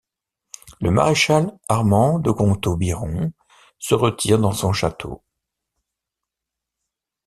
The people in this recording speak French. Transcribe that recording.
Le maréchal Armand de Gontaut-Biron se retire dans son château.